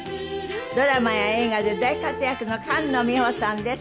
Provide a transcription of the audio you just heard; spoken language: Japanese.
ドラマや映画で大活躍の菅野美穂さんです。